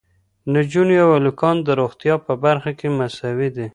نجونې او هلکان د روغتیا په برخه کې مساوي دي.